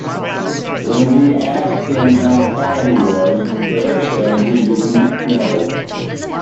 When he asked him how tall he was, Dare said he didn't know.